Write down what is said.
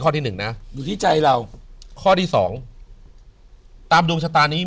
ที่หนึ่งนะอยู่ที่ใจเราข้อที่สองตามดวงชะตานี้